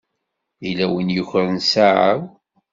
Yella win i yukren ssaɛa-w.